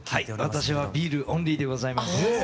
はい私はビールオンリーでございます。